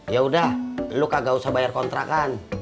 ya udah lu kagak usah bayar kontrakan